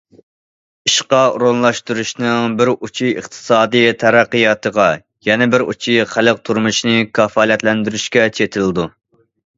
ئىشقا ئورۇنلاشتۇرۇشنىڭ بىر ئۇچى ئىقتىسادىي تەرەققىياتقا، يەنە بىر ئۇچى خەلق تۇرمۇشىنى كاپالەتلەندۈرۈشكە چېتىلىدۇ.